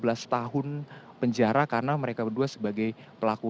dua belas tahun penjara karena mereka berdua sebagai pelaku